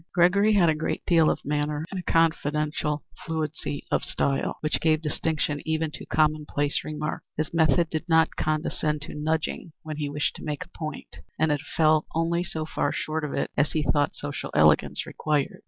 Gregory had a great deal of manner and a confidential fluency of style, which gave distinction even to commonplace remarks. His method did not condescend to nudging when he wished to note a point, but it fell only so far short of it as he thought social elegance required.